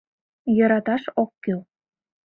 Йӧраташ ок кӱл.